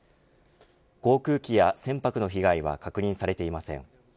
航空機や船舶の被害は確認されていません。